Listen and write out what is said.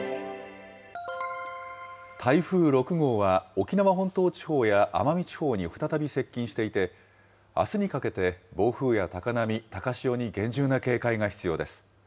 台風６号は、沖縄本島地方や奄美地方に再び接近していて、あすにかけて、暴風や高波、高潮に厳重な警戒が必要です。